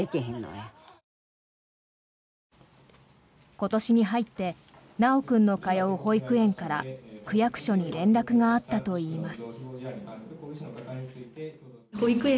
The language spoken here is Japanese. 今年に入って修君の通う保育園から区役所に連絡があったといいます。